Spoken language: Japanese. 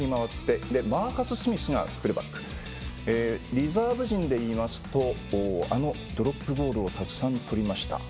リザーブ陣でいいますとあのドロップゴールを振りました